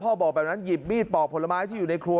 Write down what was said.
บอกแบบนั้นหยิบมีดปอกผลไม้ที่อยู่ในครัว